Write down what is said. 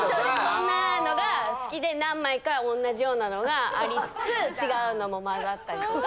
そんなのが好きで何枚か同じようなのがありつつ違うのも混ざったりとか。